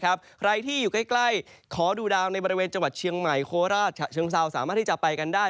ใครที่อยู่ใกล้ขอดูดาวในบริเวณจังหวัดเชียงใหม่โคราชฉะเชิงเซาสามารถที่จะไปกันได้